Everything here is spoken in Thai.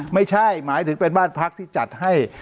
ไม่ใช่หมายถึงเป็นบ้านพักที่จัดให้